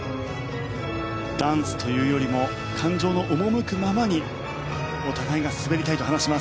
ダンスというよりも感情の赴くままにお互いが滑りたいと話します。